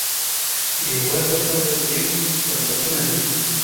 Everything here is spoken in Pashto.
بې وزله خلک لږ فرصتونه لري.